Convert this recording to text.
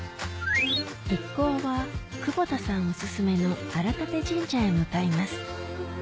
一行は久保田さんおすすめの荒立神社へ向かいます